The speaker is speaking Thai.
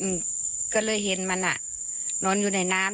มันก็เลยเห็นมันอ่ะนอนอยู่ในน้ำ